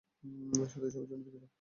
শুধু এসবের জন্যই দুঃখিত।